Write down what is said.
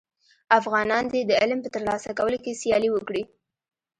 افغانان دي د علم په تر لاسه کولو کي سیالي وکړي.